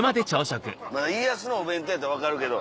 まだ家康のお弁当やったら分かるけど。